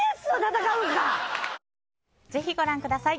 ぜひ、ご覧ください。